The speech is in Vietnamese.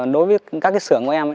đối với các cái xưởng của em